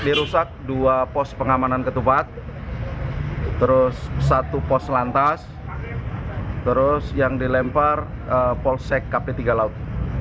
dirusak dua pos pengamanan ketupat terus satu pos lantas terus yang dilempar polsek kp tiga laut